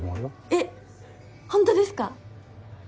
えホントですか？